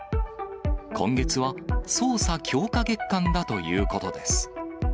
今月は捜査強化月間だということです。